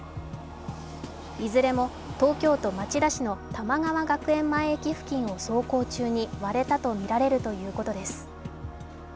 いずれも東京都町田市の玉川学園前駅付近を走行中に割れたとみられるということです。